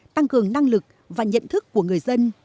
tăng cường năng lực và nhận thức của người dân